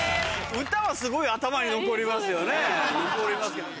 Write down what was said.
歌はすごい頭に残りますよね。